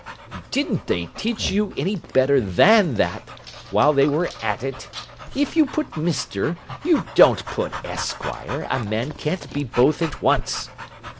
"Didn't they teach you any better than that while they were at it? If you put 'Mr.' you don't put 'Esquire'—a man can't be both at once."